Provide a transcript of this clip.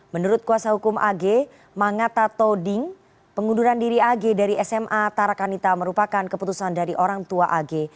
menurut kuasa hukum ag mangata toding pengunduran diri ag dari sma tarakanita merupakan keputusan dari orang tua ag